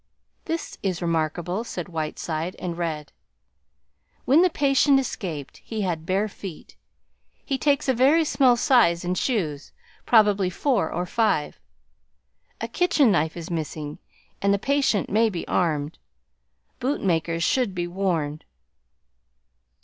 "This is remarkable," said Whiteside, and read "When the patient escaped, he had bare feet. He takes a very small size in shoes, probably four or five. A kitchen knife is missing and the patient may be armed. Boot makers should be warned...."